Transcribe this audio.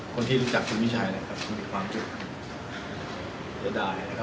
คนที่รู้จักคุณวิชัยนะครับจะมีความรู้จะได้นะครับ